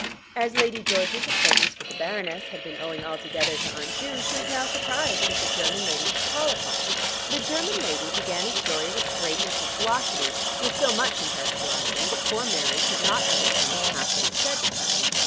As Lady George's acquaintance with the Baroness had been owing altogether to Aunt Ju she was now surprised that the German lady should call upon her. The German lady began a story with great impetuosity, with so much impetuosity that poor Mary could not understand half that was said to her.